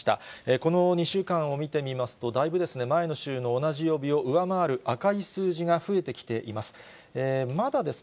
この２週間を見てみますと、だいぶ前の週の同じ曜日を上回る赤い数字が増えてきています。